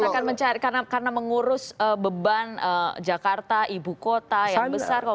karena mengurus beban jakarta ibu kota yang besar